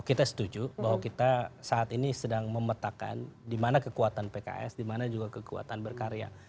kita setuju bahwa kita saat ini sedang memetakan di mana kekuatan pks di mana juga kekuatan berkarya